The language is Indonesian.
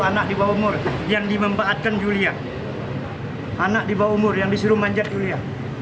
anak di bawah umur yang di membaatkan yulia anak di bawah umur yang disuruh manjat yulia